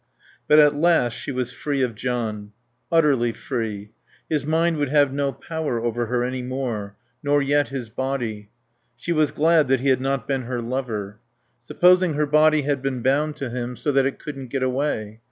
But at last she was free of John. Utterly free. His mind would have no power over her any more. Nor yet his body. She was glad that he had not been her lover. Supposing her body had been bound to him so that it couldn't get away?